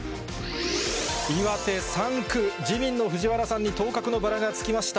岩手３区、自民の藤原さんに当確のバラがつきました。